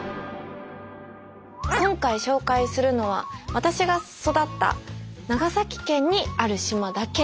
今回紹介するのは私が育った長崎県にある島だけ。